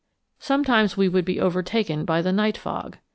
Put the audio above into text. Sometimes we would be overtaken by the night fog.